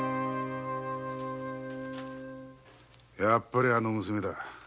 やっぱりあの娘だ。